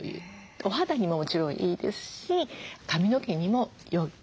お肌にももちろんいいですし髪の毛にもよい。